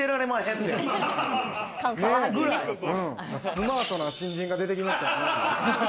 スマートな新人が出てきましたね。